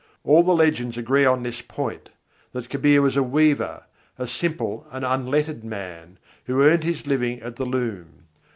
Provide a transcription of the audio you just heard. All the legends agree on this point: that Kabîr was a weaver, a simple and unlettered man, who earned his living at the loom.